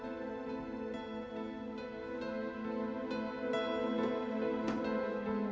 saya akan mengambil kesempatan